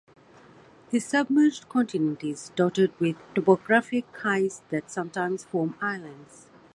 This submerged continent is dotted with topographic highs that sometimes form islands.